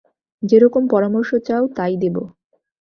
যেরকম পরামর্শ চাও, তাই দেব।